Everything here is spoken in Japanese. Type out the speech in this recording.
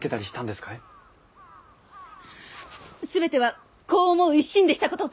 すべては子を思う一心でしたこと！